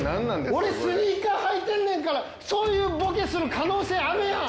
俺スニーカー履いてんねんからそういうボケする可能性あるやん！